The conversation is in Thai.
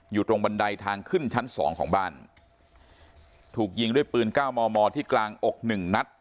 อยู่ตรงบันไดทางขึ้นชั้นสองของบ้านถูกยิงด้วยปืนเก้ามอมอที่กลางอกหนึ่งนัด